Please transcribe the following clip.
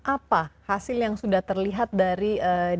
apa hasil yang sudah terlihat dari digitalisasi ini